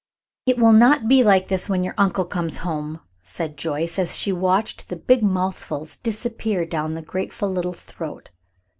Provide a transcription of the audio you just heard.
"It will not be like this when your uncle comes home," said Joyce, as she watched the big mouthfuls disappear down the grateful little throat.